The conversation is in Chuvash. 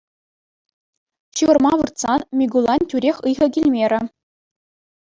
Ҫывӑрма выртсан, Микулан тӳрех ыйхӑ килмерӗ.